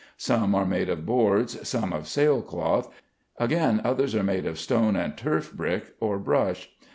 Some are made of boards, some of sail cloth, again others are made of stone and turf brick or brush.